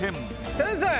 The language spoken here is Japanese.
先生。